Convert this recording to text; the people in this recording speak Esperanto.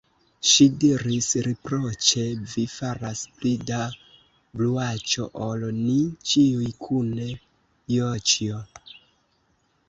Ŝi diris riproĉe: "Vi faras pli da bruaĉo ol ni ĉiuj kune, Joĉjo".